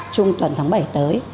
trung tuần tháng bảy tới